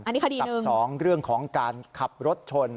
อันนี้คดีหนึ่งตัดสองเรื่องของการขับรถชน